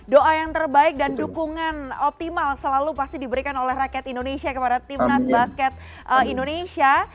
doa yang terbaik dan dukungan optimal selalu pasti diberikan oleh rakyat indonesia kepada timnas basket indonesia